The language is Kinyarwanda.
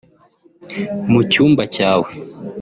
mu cyumba cyawe